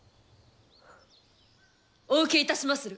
お受けいたしまする。